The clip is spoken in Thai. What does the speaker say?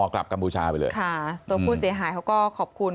กลับกัมพูชาไปเลยค่ะตัวผู้เสียหายเขาก็ขอบคุณ